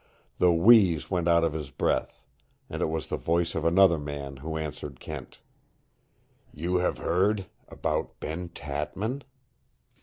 The wheeze went out of his breath, and it was the voice of another man who answered Kent. "You have heard about Ben Tatman?"